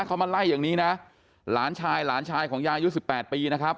เขามาไล่อย่างนี้นะหลานชายหลานชายของยายุสิบแปดปีนะครับ